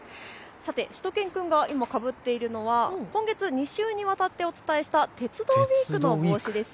しゅと犬くんが今かぶっているのは今月２週ににわたってお伝えした鉄道ウイークの帽子です。